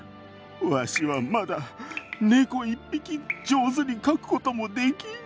わしはまだ猫一匹上手に描くこともできん。